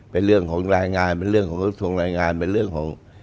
เป็นเรื่องของรายงานเป็นเรื่องของกระทรวงรายงานเป็นเรื่องของ